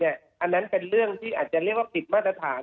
อันนั้นเป็นเรื่องที่อาจจะเรียกว่าผิดมาตรฐาน